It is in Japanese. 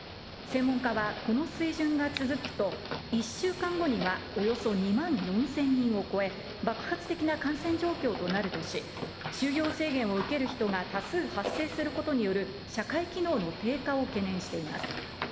専門家はこの水準が続くと、１週間後にはおよそ２万４０００人を超え、爆発的な感染状況となるとし、就業制限を受ける人が多数発生することによる社会機能の低下を懸念しています。